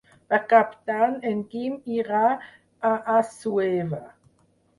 Per Cap d'Any en Guim irà a Assuévar.